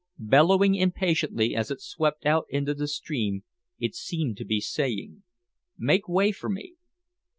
Bellowing impatiently as it swept out into the stream, it seemed to be saying: "Make way for me.